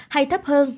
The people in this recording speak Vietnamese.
hay thấp hơn